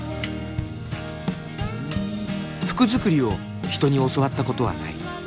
服作りを人に教わったことはない。